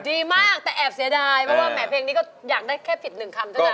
ดีมากแต่แอบเสียดายเพราะว่าแหมเพลงนี้ก็อยากได้แค่ผิดหนึ่งคำเท่านั้น